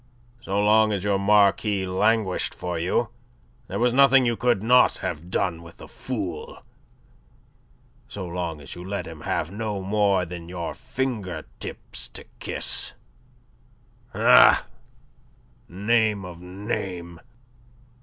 So long as your Marquis languished for you, there was nothing you could not have done with the fool. So long as you let him have no more than your fingertips to kiss... ah, name of a name!